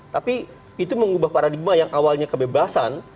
tapi itu mengubah paradigma yang awalnya kebebasan